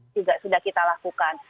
juga sudah kita lakukan